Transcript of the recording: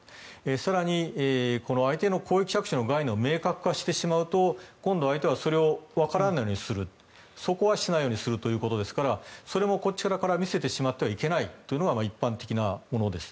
更に、相手の攻撃着手の概念を明確化してしまうと相手はそれをわからないようにするそこはしないようにするということですからそれもこっちから見せてしまってはいけないというのが一般的なものです。